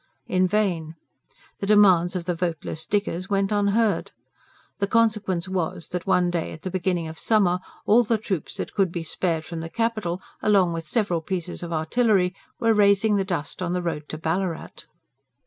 In vain: the demands of the voteless diggers went unheard. The consequence was that one day at the beginning of summer all the troops that could be spared from the capital, along with several pieces of artillery, were raising the dust on the road to Ballarat.